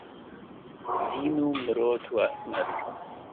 زین و مرۆت و ئەسمەر